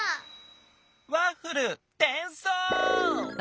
ワッフルてんそう！